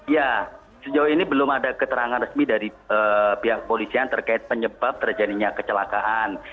ya sejauh ini belum ada keterangan resmi dari pihak polisian terkait penyebab terjadinya kecelakaan